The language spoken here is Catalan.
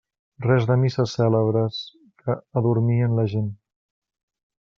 Res de misses cèlebres, que adormien la gent.